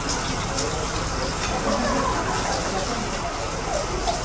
お願いしますね。